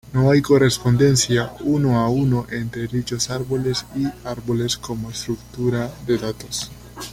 No hay correspondencia uno-a-uno entre dichos árboles y árboles como estructura de datos.